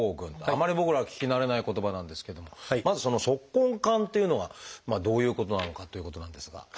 あんまり僕らは聞き慣れない言葉なんですけどもまずその「足根管」っていうのはどういうことなのかっていうことなんですが。